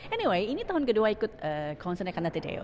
anyway ini tahun kedua ikut konsernnya kante tadeo